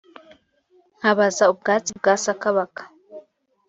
Nkabaza ubwatsi bwa Sakabaka